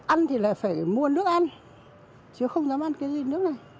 ăn thì lại phải mua nước ăn chứ không dám ăn cái nước này